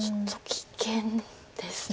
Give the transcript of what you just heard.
危険ですか。